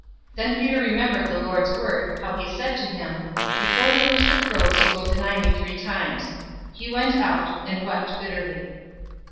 Then Peter remembered the Lord's word, how he said to him, "Before the rooster crows you will deny me three times." 022:062 He went out, and wept bitterly.